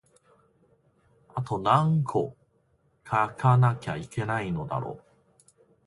あとなんこ書かなきゃいけないのだろう